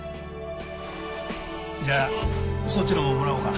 じゃあそっちのももらおうか。